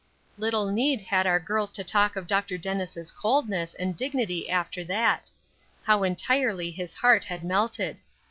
Little need had our girls to talk of Dr. Dennis' coldness and dignity after that. How entirely his heart had melted!